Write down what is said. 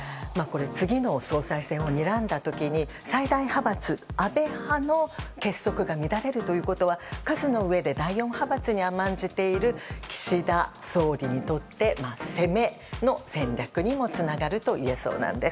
次の総裁選をにらんだ時に最大派閥・安倍派の結束が乱れるということは数の上で第４派閥に甘んじている岸田総理にとって攻めの戦略にもつながるといえそうなんです。